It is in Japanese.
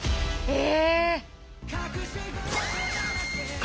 え！